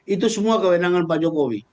itu semua kewenangan pak jokowi